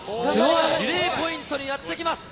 リレーポイントにやってきます。